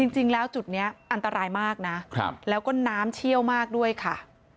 จริงแล้วจุดนี้อันตรายมากนะแล้วก็น้ำเชี่ยวมากด้วยค่ะ